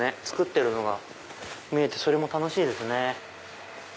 作ってるのが見えてそれも楽しいですね。